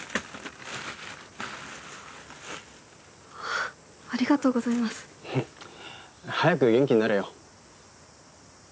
あぁありがとうございます。早く元気になれよ。